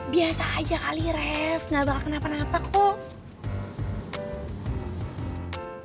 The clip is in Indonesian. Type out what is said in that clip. biasa aja kali ref gak bakal kenapa napa kok